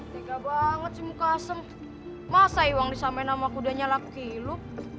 tiga banget sih muka asem masa iwang disamain sama kudanya laki laki lo